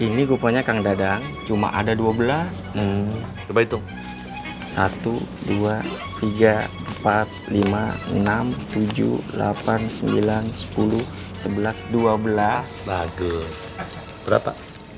ini rupanya kang dadang cuma ada dua belas coba itu satu dua tiga empat lima enam tujuh delapan sembilan sepuluh sebelas dua belas bagus berapa